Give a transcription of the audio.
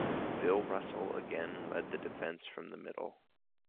Bill Russell again led the defense from the middle.